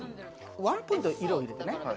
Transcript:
ワンポイント、色を入れてね。